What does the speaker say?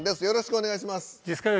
よろしくお願いします。